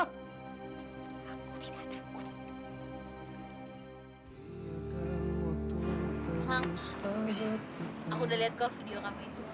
aku tidak takut